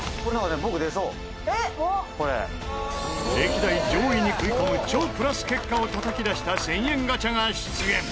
歴代上位に食い込む超プラス結果をたたき出した１０００円ガチャが出現！